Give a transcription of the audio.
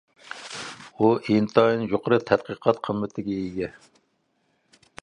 ئۇ ئىنتايىن يۇقىرى تەتقىقات قىممىتىگە ئىگە.